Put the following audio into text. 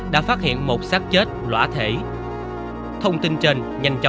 và còn hai con nhỏ